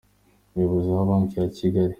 Umuyobozi wa Banki ya Kigali